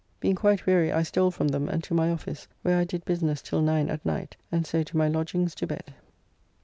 Being quite weary I stole from them and to my office, where I did business till 9 at night, and so to my lodgings to bed.